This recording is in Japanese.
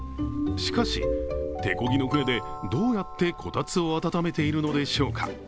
しかし、手こぎの舟でどうやってこたつを温めているのでしょうか。